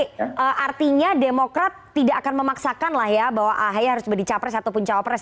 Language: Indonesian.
karena demokrat tidak akan memaksakanlah ya bahwa ahi harus menjadi capres ataupun cawapres